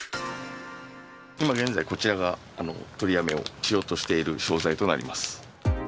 今現在、こちらが取りやめをしようとしている商材となります。